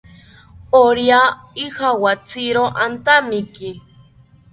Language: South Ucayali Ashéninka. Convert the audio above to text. Orya ijawatziro antamiki